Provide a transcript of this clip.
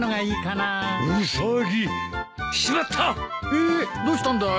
えっどうしたんだい？